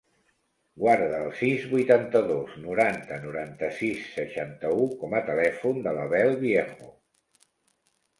Guarda el sis, vuitanta-dos, noranta, noranta-sis, seixanta-u com a telèfon de l'Abel Viejo.